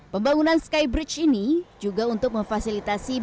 pembangunan skybridge ini juga untuk memfasilitasi penumpang naik sepuluh meter